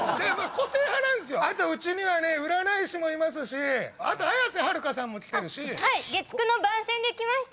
あとうちにはね占い師もいますし綾瀬はるかさんも来てるし。